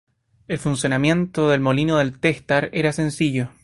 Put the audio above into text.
El funcionamiento del molino del Testar era sencillo.